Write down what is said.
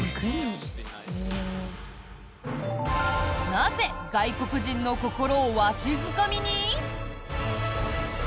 なぜ外国人の心をわしづかみに？